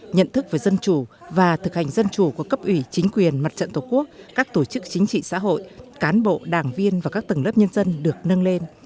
nhận thức về dân chủ và thực hành dân chủ của cấp ủy chính quyền mặt trận tổ quốc các tổ chức chính trị xã hội cán bộ đảng viên và các tầng lớp nhân dân được nâng lên